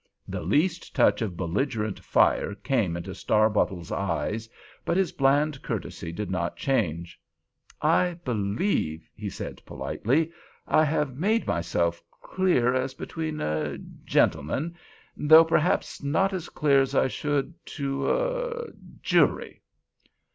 The least touch of belligerent fire came into Starbottle's eye, but his bland courtesy did not change. "I believe," he said, politely, "I have made myself clear as between—er—gentlemen, though perhaps not as clear as I should to—er—er—jury."